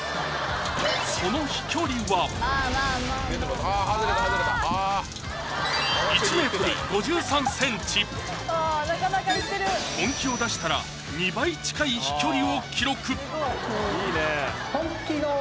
その飛距離は本気を出したら２倍近い飛距離を記録！